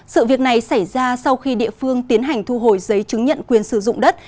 sự việc này xảy ra sau khi địa phương tiến hành thu hồi giấy chứng nhận quyền sử dụng đất